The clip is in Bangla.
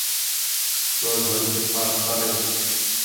তোর ঘরি কি ফাস্ট চলে?